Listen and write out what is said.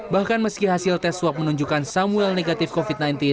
bahkan meski hasil tes swab menunjukkan samuel negatif covid sembilan belas